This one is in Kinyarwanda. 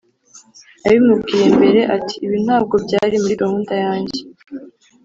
yabimubwiye mbere ati: "ibi ntabwo byari muri gahunda yanjye."